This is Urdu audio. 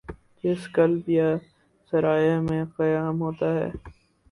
جس کلب یا سرائے میں قیام ہوتا ہے۔